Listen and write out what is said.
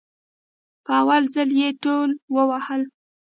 په اول ځل يي ټول ووهل